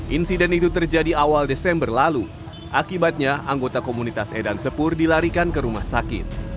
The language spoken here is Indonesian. insiden itu terjadi awal desember lalu akibatnya anggota komunitas edan sepur dilarikan ke rumah sakit